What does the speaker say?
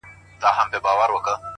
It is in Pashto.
هیله د سختو ورځو ملګرې ده،